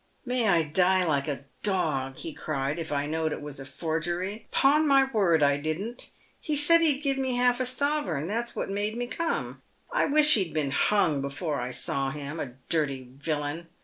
"May I die like a dog," he cried, "if I knowed it was a forgery. Ton my word, I didn't. He said he'd give me half a sovereign. That's what made me come. I wish he'd been hung before I saw him, a dirty villain.